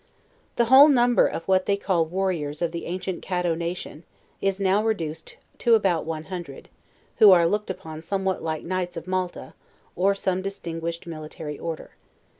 The whole number of what they call warriors of the an cient Caddo nation, is now reduced to about one hundred, who are looked upon somewhat like knights of Malta, or some distinguished military order.